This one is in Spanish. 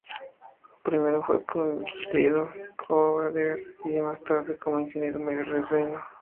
Primero fue promovido como brigadier y más tarde como ingeniero mayor del reino.